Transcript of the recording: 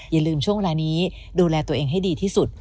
อย่าลืมช่วงเวลานี้ดูแลตัวเองให้ดีที่สุด